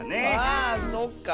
あそっか。